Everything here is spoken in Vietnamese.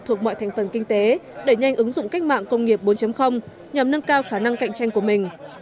thuộc mọi thành phần kinh tế đẩy nhanh ứng dụng cách mạng công nghiệp bốn nhằm nâng cao khả năng cạnh tranh của mình